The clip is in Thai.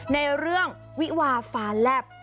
ในเรื่องวิวาฟ้าแลบ